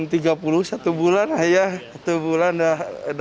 satu bulan aja satu bulan udah itu udah beli